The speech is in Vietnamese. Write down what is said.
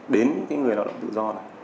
đến người lao động tự do này